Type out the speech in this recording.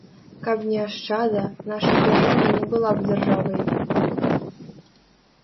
Каб не ашчада, наша дзяржава не была б дзяржавай.